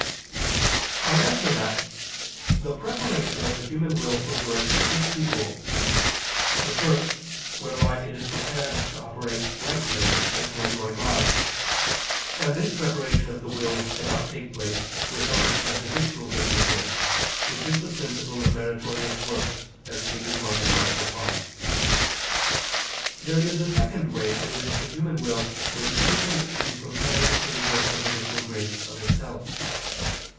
I answer that, The preparation of the human will for good is twofold: the first, whereby it is prepared to operate rightly and to enjoy God; and this preparation of the will cannot take place without the habitual gift of grace, which is the principle of meritorious works, as stated above (A. 5). There is a second way in which the human will may be taken to be prepared for the gift of habitual grace itself.